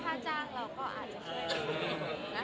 ถ้าจ้างเราก็อาจจะเชียบให้